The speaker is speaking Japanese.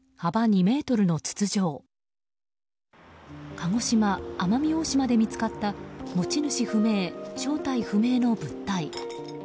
鹿児島・奄美大島で見つかった持ち主不明、正体不明の物体。